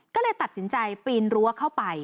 ก็เลยตัดสินใจปีนรั้วเข้าไป